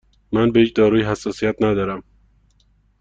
من به هیچ دارویی حساسیت ندارم.